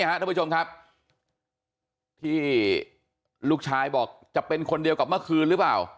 ท่านผู้ชมครับที่ลูกชายบอกจะเป็นคนเดียวกับเมื่อคืนหรือเปล่า